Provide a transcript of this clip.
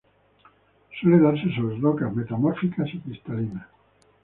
Suele darse sobre rocas metamórficas y cristalinas.